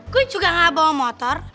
gue juga gak bawa motor